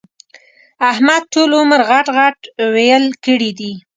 احمد ټول عمر غټ ِغټ ويل کړي دي.